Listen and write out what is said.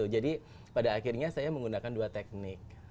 jadi pada akhirnya saya menggunakan dua teknik